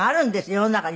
世の中に。